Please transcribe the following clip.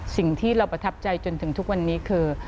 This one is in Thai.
สิ่งที่เราประทับใจจนถึงทุกวันนี้คือ